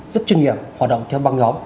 rất chuyên nghiệp hoạt động theo băng nhóm